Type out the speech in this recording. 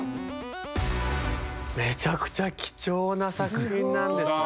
めちゃくちゃ貴重な作品なんですね。